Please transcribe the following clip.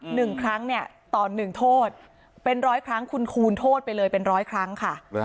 หนึ่งครั้งเนี่ยต่อหนึ่งโทษเป็นร้อยครั้งคุณคูณโทษไปเลยเป็นร้อยครั้งค่ะ